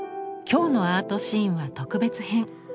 今日の「アートシーン」は特別編。